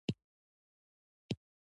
د کیوي دانه د څه لپاره وکاروم؟